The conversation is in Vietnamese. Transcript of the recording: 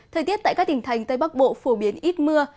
thời tiết tại các tỉnh thành tây bắc bộ phổ biến ít mưa